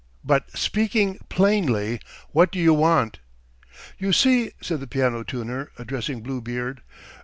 ." "But, speaking plainly, what do you want?" "You see," said the piano tuner, addressing Bluebeard.